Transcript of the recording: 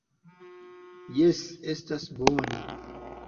Jes, estas bone.